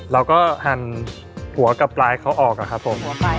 เราก็หั่นหัวกับปลายเขาออกอะครับผมหัวปลายออก